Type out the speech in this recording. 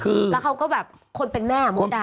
แล้วเขาก็แบบคนเป็นแม่มันไม่ได้